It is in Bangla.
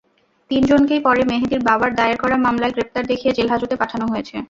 তিনজনকেই পরে মেহেদীর বাবার দায়ের করা মামলায় গ্রেপ্তার দেখিয়ে জেলহাজতে পাঠানো হয়েছে।